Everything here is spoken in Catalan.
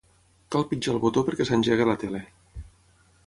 Cal pitjar el botó perquè s'engegui la tele.